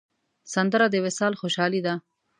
سندره د وصال خوشحالي ده